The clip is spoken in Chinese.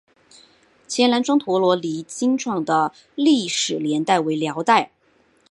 前南庄陀罗尼经幢的历史年代为辽代。